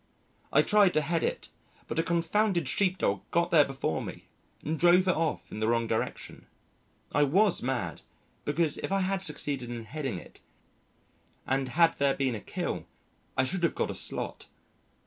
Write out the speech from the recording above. I tried to head it, but a confounded sheep dog got there before me and drove it off in the wrong direction. I was mad, because if I had succeeded in heading it and had there been a kill, I should have got a slot.